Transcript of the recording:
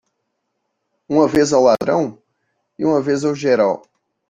Uma vez ao ladrão? e uma vez ao geral.